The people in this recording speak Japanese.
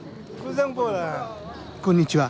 こんにちは。